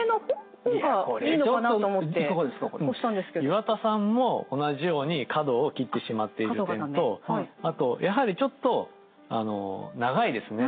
岩田さんも同じように角を切ってしまっている点とあとやはりちょっと長いですね。